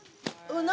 何？